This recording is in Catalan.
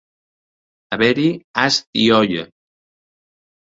Haver-hi ast i olla.